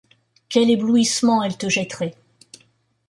Quel éblouissement, elle te jetterait